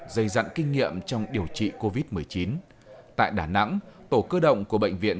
dây dặn kinh nghiệm trong điều trị covid một mươi chín tại đà nẵng tổ cơ động của bệnh viện